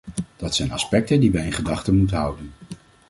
Dat zijn aspecten die wij in gedachten moeten houden.